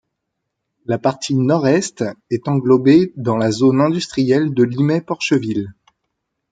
La partie nord-est est englobée dans la zone industrielle de Limay-Porcheville.